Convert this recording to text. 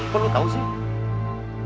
kok lu tahu sih